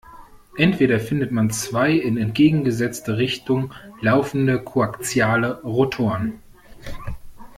Entweder findet man zwei in entgegengesetzte Richtung laufende koaxiale Rotoren.